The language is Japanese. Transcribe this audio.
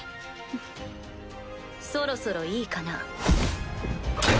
フッそろそろいいかな？